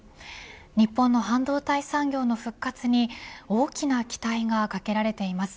日本の半導体産業の復活に大きな期待がかけられています。